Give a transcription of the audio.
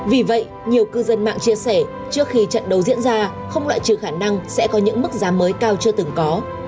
vì vậy nhiều cư dân mạng chia sẻ trước khi trận đấu diễn ra không loại trừ khả năng sẽ có những mức giá mới cao chưa từng có